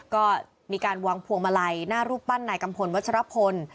ก็มีการวางพวงมาลัยหน้ารูปปั้นนายกัมพลวัชรพล